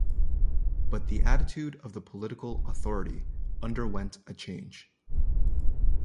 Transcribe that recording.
But the attitude of the political authority underwent a change.